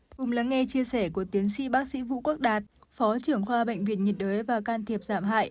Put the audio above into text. cùng lắng nghe chia sẻ của tiến sĩ bác sĩ vũ quốc đạt phó trưởng khoa bệnh viện nhiệt đới và can thiệp giảm hại